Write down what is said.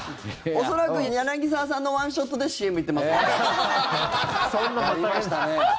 恐らく柳澤さんのワンショットでＣＭ行ってます。